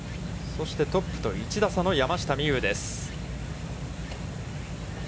そして、トップと１打差の山下美夢有です。